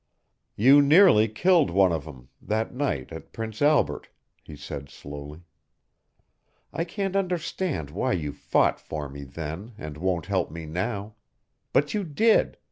"You nearly killed one of them that night at Prince Albert," he said slowly. "I can't understand why you fought for me then and won't help me now. But you did.